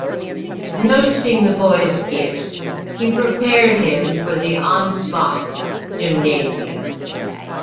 Noticing the boy's gifts, he prepared him for the Ansbach Gymnasium.